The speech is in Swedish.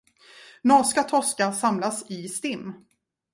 Norska torskar samlas i stim.